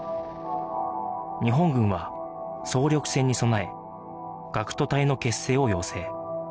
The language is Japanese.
日本軍は総力戦に備え学徒隊の結成を要請